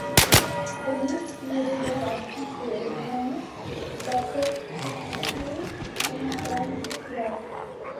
Vénus se révèle à Psyché, et vient la persécuter dans sa disgrâce.